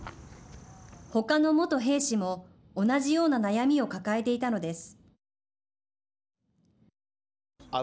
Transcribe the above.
ほかの元兵士も同じような悩みを抱えていたのです。